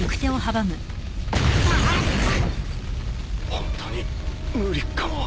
ホントに無理かも。